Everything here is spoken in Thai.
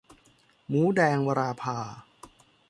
หมูแดง - วราภา